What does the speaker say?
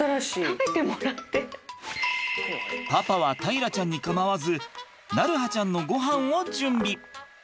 パパは大樂ちゃんに構わず鳴映ちゃんのごはんを準備。